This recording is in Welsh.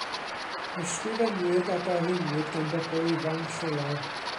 Ysgrifennwyd a darluniwyd gan bobl ifanc lleol.